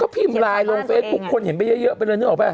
ก็พิมพ์ไลน์ลงเฟซบุ๊คคนเห็นไปเยอะเป็นเรื่องนี้หรอปะ